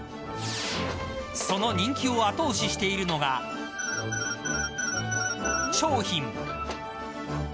その人気を後押ししているのが○○商品。